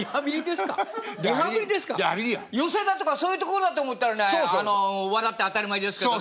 寄席だとかそういう所だと思ったらね笑って当たり前ですけどね